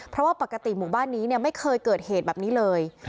เพราะว่าปกติหมู่บ้านนี้ไม่เคยเกิดเหตุแบบนี้เลย